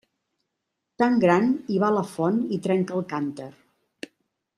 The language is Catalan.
Tan gran i va a la font i trenca el cànter.